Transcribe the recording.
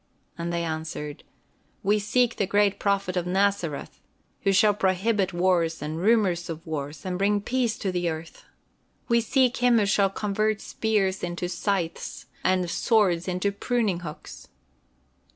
And they answered: "We seek the great Prophet of Nazareth, who shall prohibit wars and rumors of wars and bring peace to the earth. We seek him who shall convert spears into scythes and swords into pruning hooks."